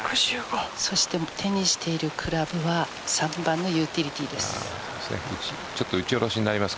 そして手にしているクラブは３番のユーティリティーです。